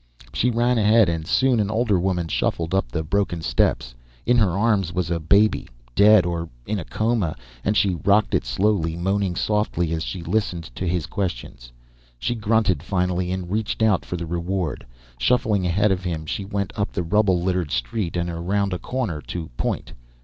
She ran ahead, and soon an older woman shuffled up the broken steps. In her arms was a baby, dead or in a coma, and she rocked it slowly, moaning softly as she listened to his questions. She grunted finally, and reached out for the reward. Shuffling ahead of him, she went up the rubble littered street and around a corner, to point.